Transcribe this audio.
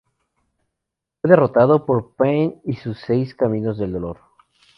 Fue derrotado por Pain y sus seis caminos del dolor.